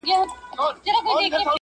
راته ايښي يې گولۍ دي انسانانو،